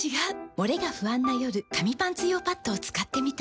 モレが不安な夜紙パンツ用パッドを使ってみた。